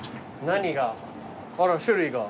何があら種類が。